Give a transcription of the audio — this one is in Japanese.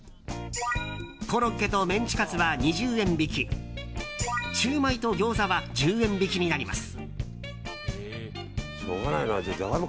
コロッケとメンチカツは２０円引きシューマイとギョーザは１０円引きになります。